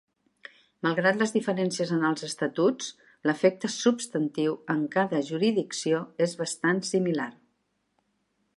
Malgrat les diferències en els estatuts, l'efecte substantiu en cada jurisdicció és bastant similar.